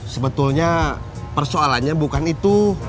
sebetulnya persoalannya bukan itu